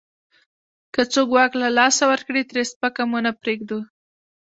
که څوک واک له لاسه ورکړي، ترې سپکه مو نه پرېږدو.